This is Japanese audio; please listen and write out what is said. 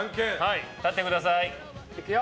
立ってください。いくよ。